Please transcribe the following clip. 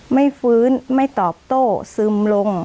ไม่ฟื้นไม่ตอบโต้ซึมลง